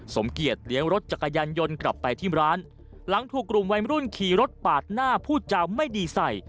สมเกียจเลี้ยงรถจักรยานยนต์กลับไปที่ร้านหลังถูกกลุ่มวัยมรุ่นขี่รถปาดหน้าพูดจาไม่ดีใส่